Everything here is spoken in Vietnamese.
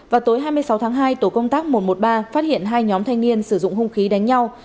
vào tối hai mươi sáu tháng hai tổ công tác một trăm một mươi ba phát hiện hai nhóm thanh niên sử dụng hung khí đánh nhau